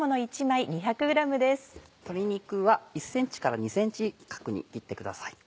鶏肉は１ｃｍから２ｃｍ角に切ってください。